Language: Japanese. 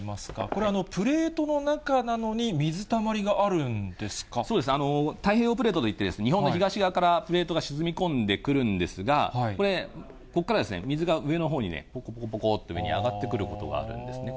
これ、プレートの中なのに、そうですね、太平洋プレートといって、日本の東側からプレートが沈み込んでくるんですが、これ、ここから水が上のほうにぽこぽこぽこと上に上がってくることがあるんですね。